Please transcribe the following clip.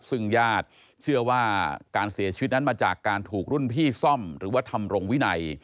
ซึ่งญาติเชื่อว่าการเสียชีวิตนั้นมาจากการถูกรุ่นพี่ซ่อมหรือว่าทำรงวินัย